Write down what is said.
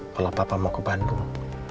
kalau papa mau ke bandung